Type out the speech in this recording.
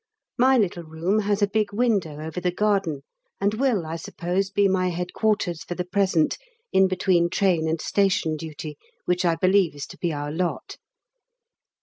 My little room has a big window over the garden, and will, I suppose, be my headquarters for the present in between train and station duty, which I believe is to be our lot.